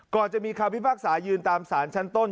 จะมีคำพิพากษายืนตามสารชั้นต้น